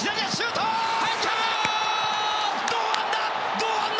堂安だ！